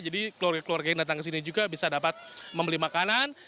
jadi keluarga keluarga yang datang ke sini juga bisa dapat membeli makanan